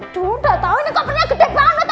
duh udah tau ini kopernya gede banget